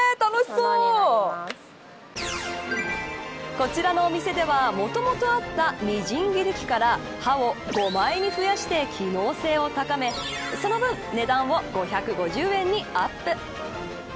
こちらのお店ではもともとあったみじん切り器から刃を５枚に増やして機能性を高めその分、値段を５５０円にアップ。